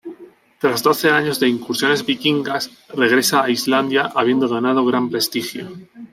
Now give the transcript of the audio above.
Tras doce años de incursiones vikingas regresa a Islandia habiendo ganado gran prestigio.